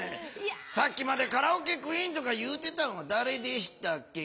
さっきまでカラオケクイーンとか言うてたんはだれでしたっけ？